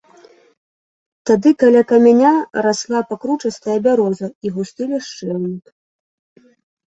Тады каля каменя расла пакручастая бяроза і густы ляшчэўнік.